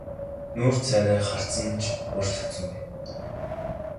Нүүр царай харц нь ч өөрчлөгдсөнгүй.